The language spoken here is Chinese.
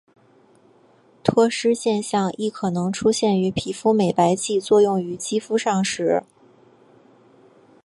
脱失现象亦可能出现于皮肤美白剂作用于肌肤上时。